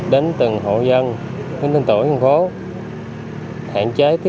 đến từng hộ dân đến từng tuổi hành phố